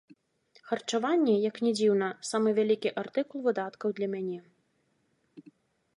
Харчаванне, як ні дзіўна, самы вялікі артыкул выдаткаў для мяне.